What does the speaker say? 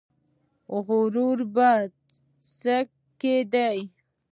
غرور په څه کې دی؟